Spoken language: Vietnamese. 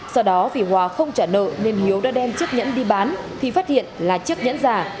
sau đó vì hòa không trả nợ nên hiếu đã đem chiếc nhẫn đi bán thì phát hiện là chiếc nhẫn giả